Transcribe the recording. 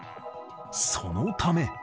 そのため。